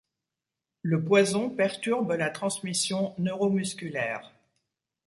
Le poison perturbe la transmission neuromusculaire.